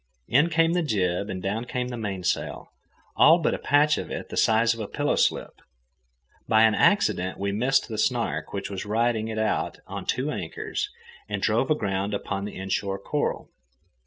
In came the jib, and down came the mainsail, all but a patch of it the size of a pillow slip. By an accident we missed the Snark, which was riding it out to two anchors, and drove aground upon the inshore coral.